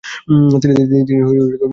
তিনি মঙ্গোলিয়াতে থেকে যান।